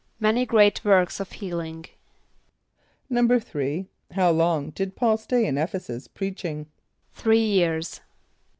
=Many great works of healing.= =3.= How long did P[a:]ul stay in [)E]ph´e s[)u]s preaching? =Three years.